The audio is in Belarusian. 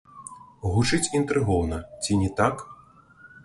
Гучыць інтрыгоўна, ці не так?